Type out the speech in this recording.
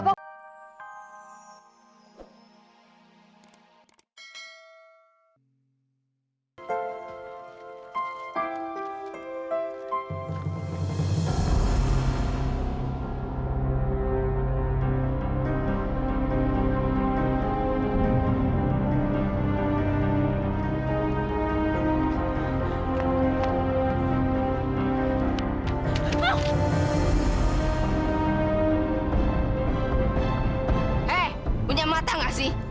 hei punya mata gak sih